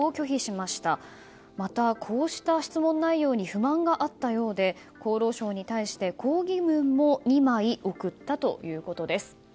また、こうした質問内容に不満があったようで厚労省に対し抗議文も２枚送ったということです。